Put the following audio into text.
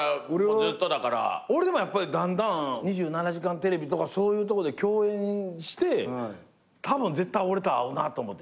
俺だんだん『２７時間テレビ』とかそういうとこで共演してたぶん絶対俺と合うなと思て。